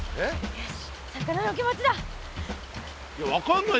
よし。